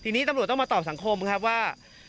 ทีนี้ตำรวจต้องมาตอบสังคมครับว่า